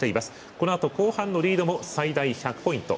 このあと後半のリードも最大１００ポイント。